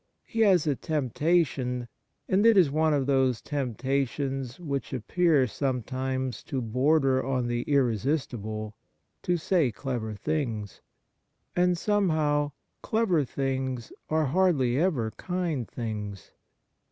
He has a temptation, and it is one of those tempta tions which appear sometimes to border on the irresistible, to say clever things ; and, somehow, clever things are hardly ever kind things.